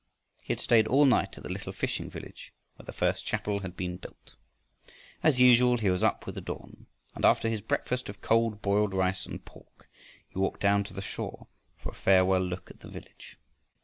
He had stayed all night at the little fishing village where the first chapel had been built. As usual he was up with the dawn, and after his breakfast of cold boiled rice and pork he walked down to the shore for a farewell look at the village.